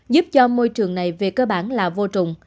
giúp cho môi trường này về cơ bản là vô trùng